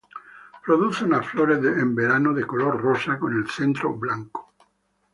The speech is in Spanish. Produce unas flores en verano de color rosa con el centro blanco.